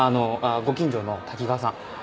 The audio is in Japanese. ご近所の滝川さん。